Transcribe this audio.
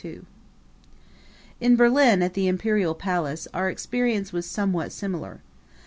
In Berlin, at the Imperial Palace, our experience was somewhat similar.